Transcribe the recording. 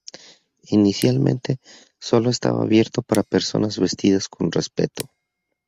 Inicialmente, solo estaba abierto para "personas vestidas con respeto".